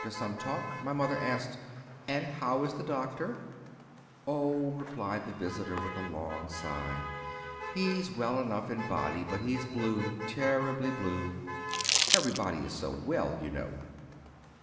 After some talk my mother asked, 'And how is the doctor?' 'Oh,' replied the visitor, with a long sigh, 'he's well enough in body, but he's blue, terribly blue; everybody is so well, you know.